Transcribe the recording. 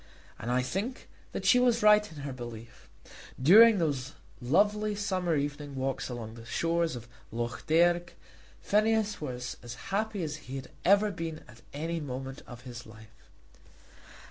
And I think that she was right in her belief. During those lovely summer evening walks along the shores of Lough Derg, Phineas was as happy as he had ever been at any moment of his life.